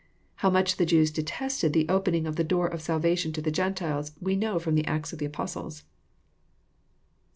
How much the Jews detested the opening of the door of salvation to the Gentiles, we know from the Acts of the Apostles.